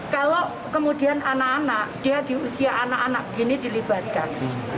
kalau kemudian anak anak dia di usia anak anak gini dilibatkan